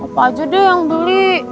apa aja deh yang beli